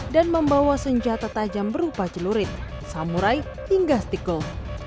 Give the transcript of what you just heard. dan membawa senjata tajam berupa celurit samurai hingga stikul